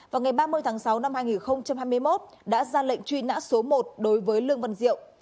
vào ngày ba mươi tháng sáu năm hai nghìn hai mươi một đã ra lệnh truy nã số một đối với lương văn diệu